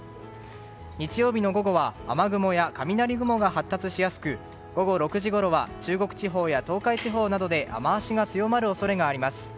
日曜日の午後は雨雲や雷雲が発達しやすく午後６時ごろは中国地方や東海地方などで雨脚が強まる恐れがあります。